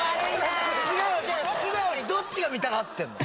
違う違う素直にどっちが見たがってんの？